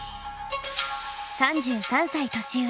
３３歳年上。